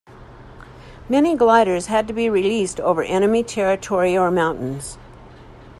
Many gliders had to be released over enemy territory or mountains.